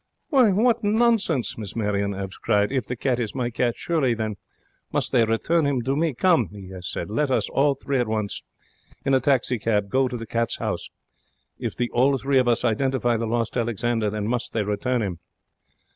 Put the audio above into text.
'Why, what nonsense!' Miss Marion 'ave cried. 'If the cat is my cat, surely then must they return 'im to me! Come,' she has said, 'let us all three at once in a taxi cab go to the Cats' House. If the all three of us identify the lost Alexander, then must they return 'im.'